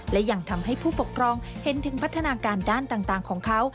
และยังทำให้ผู้ปกครองเห็นถึงพัฒนาการด้านต่างของเขา